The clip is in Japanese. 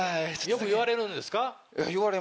よく言われるんですか？